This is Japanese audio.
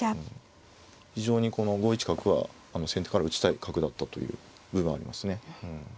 非常にこの５一角は先手から打ちたい角だったという部分ありますね。